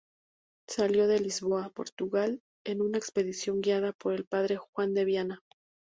Salió de Lisboa, Portugal, en una expedición guiada por el padre Juan de Viana.